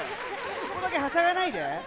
そこだけはしゃがないで。